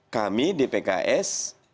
kami di pks